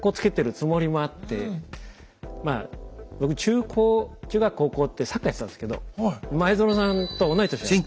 まあ僕中高中学高校ってサッカーやってたんですけど前園さんと同い年なんですよ。